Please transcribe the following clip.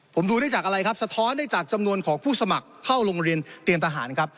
ผมดูได้จากอะไรครับสะท้อนได้จากจำนวนของผู้สมัครเข้าโรงเรียนเตรียมทหารครับ